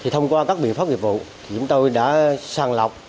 thông qua các biện pháp nghiệp vụ chúng tôi đã sàng lọc